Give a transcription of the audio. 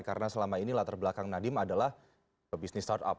karena selama ini latar belakang nadiem adalah pebisnis startup